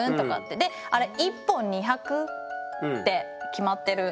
であれ１本２００って決まってる。